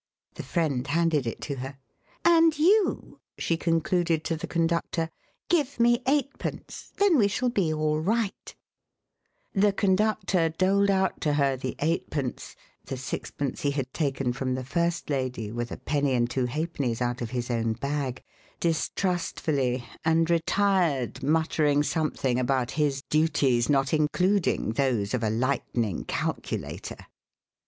The friend handed it to her. "And you," she concluded to the conductor, "give me eightpence, then we shall be all right." The conductor doled out to her the eightpence the sixpence he had taken from the first lady, with a penny and two halfpennies out of his own bag distrustfully, and retired, muttering something about his duties not including those of a lightning calculator.